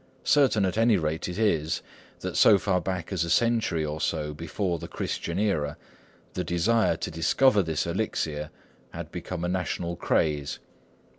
Certain at any rate it is, that so far back as a century or so before the Christian era, the desire to discover this elixir had become a national craze.